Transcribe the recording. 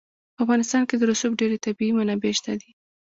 په افغانستان کې د رسوب ډېرې طبیعي منابع شته دي.